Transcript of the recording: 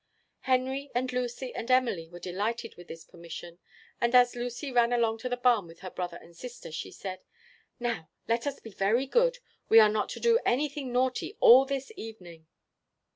Henry and Lucy and Emily were delighted with this permission; and, as Lucy ran along to the barn with her brother and sister, she said: "Now let us be very good. We are not to do anything naughty all this evening."